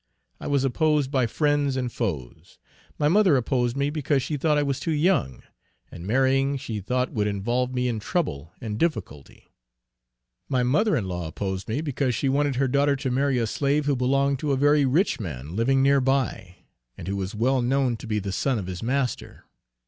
I was opposed by friends and foes; my mother opposed me because she thought I was too young, and marrying she thought would involve me in trouble and difficulty. My mother in law opposed me, because she wanted her daughter to marry a slave who belonged to a very rich man living near by, and who was well known to be the son of his master.